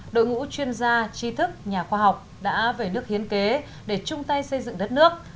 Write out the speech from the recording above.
đội ngũ chuyên gia chi thức nhà khoa học đã về nước hiến kế để chung tay xây dựng đất nước